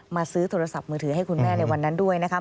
ซื้อโทรศัพท์มือถือให้คุณแม่ในวันนั้นด้วยนะคะ